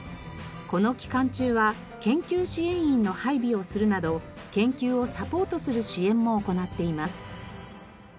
この期間中は研究支援員の配備をするなど研究をサポートする支援も行っています。